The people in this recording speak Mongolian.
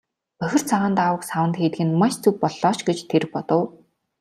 Бохир цагаан даавууг саванд хийдэг нь маш зөв боллоо ч гэж тэр бодов.